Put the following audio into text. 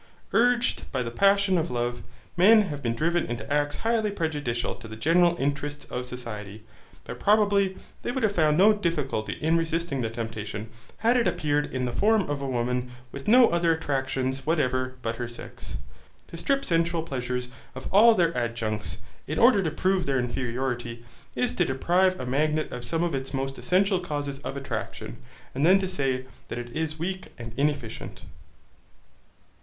Urged by the passion of love, men have been driven into acts highly prejudicial to the general interests of society, but probably they would have found no difficulty in resisting the temptation, had it appeared in the form of a woman with no other attractions whatever but her sex. To strip sensual pleasures of all their adjuncts, in order to prove their inferiority, is to deprive a magnet of some of its most essential causes of attraction, and then to say that it is weak and inefficient.